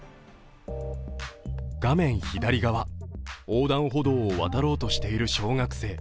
画面左側、横断歩道を渡ろうとしている小学生。